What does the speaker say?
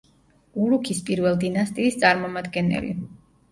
ურუქის პირველ დინასტიის წარმომადგენელი.